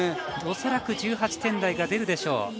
恐らく１８点台が出るでしょう。